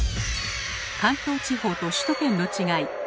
関東地方と首都圏の違い